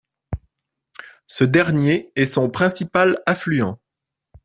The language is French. Ce dernier est son principal affluent.